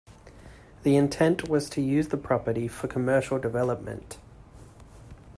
The intent was to use the property for commercial development.